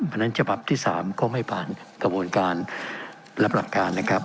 เพราะฉะนั้นฉบับที่๓ก็ไม่ผ่านกระบวนการรับหลักการนะครับ